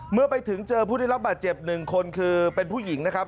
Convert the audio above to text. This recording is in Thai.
เมื่อไปถึงเจอผู้ได้รับบาดเจ็บ๑คนคือเป็นผู้หญิงนะครับ